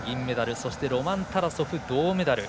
そして、ロマン・タラソフが銅メダル。